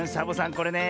これねえ